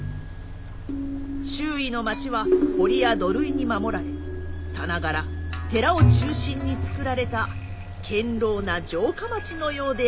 周囲の町は堀や土塁に守られさながら寺を中心につくられた堅牢な城下町のようでありました。